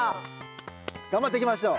頑張っていきましょう。